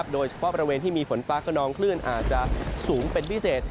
โดยเฉพาะบริเวณที่มีฝนฟ้ากระนองคลื่นอาจจะสูงเป็นพิเศษ